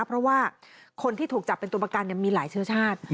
เพราะว่าคนที่ถูกจับเป็นตัวประกันมีหลายเชื้อชาติ